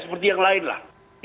seperti yang lainlah